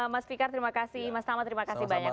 mas fikar terima kasih mas tama terima kasih banyak